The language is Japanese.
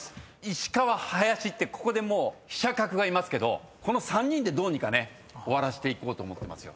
石川林ってここで飛車角がいますけどこの３人でどうにかね終わらせていこうと思ってますよ。